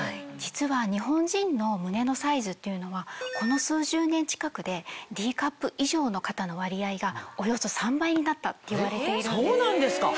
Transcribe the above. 実は日本人の胸のサイズっていうのはこの数十年近くでＤカップ以上の方の割合がおよそ３倍になったっていわれているんです。